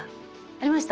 ありました？